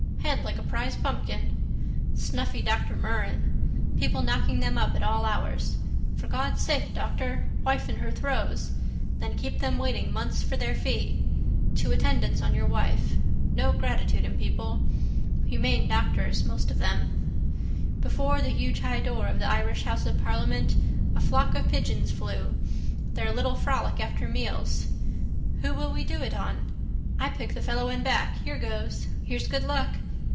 Head like a prize pumpkin. Snuffy Dr Murren. People knocking them up at all hours. For God' sake, doctor. Wife in her throes. Then keep them waiting months for their fee. To attendance on your wife. No gratitude in people. Humane doctors, most of them. Before the huge high door of the Irish house of parliament a flock of pigeons flew. Their little frolic after meals. Who will we do it on? I pick the fellow in black. Here goes. Here's good luck.